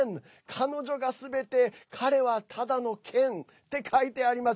彼女がすべて彼はただのケンって書いてあります。